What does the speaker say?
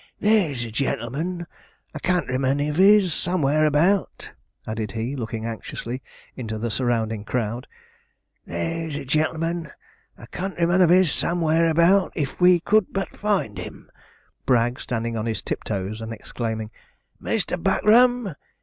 There's a gen'l'man, a countryman of his, somewhere about,' added he, looking anxiously into the surrounding crowd there's a gen'l'man, a countryman of his, somewhere about, if we could but find him,' Bragg standing on his tiptoes, and exclaiming, 'Mr. Buckram!